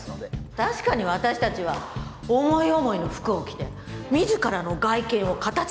確かに私たちは思い思いの服を着て自らの外見を形づくる自由がある。